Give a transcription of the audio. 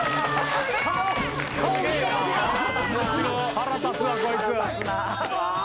腹立つわこいつ。